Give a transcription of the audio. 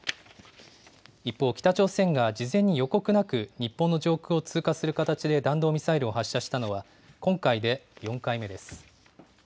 一方、北朝鮮が事前に予告なく日本の上空を通過する形で弾道ミサイルを発射したのは、今回で４回目です。